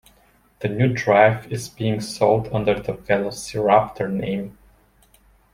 The new drive is being sold under the VelociRaptor name.